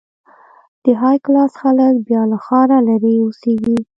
د های کلاس خلک بیا له ښاره لرې اوسېږي.